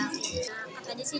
gak apa apa aja sih